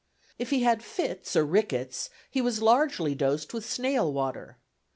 If he had fits or rickets, he was largely dosed with snail water.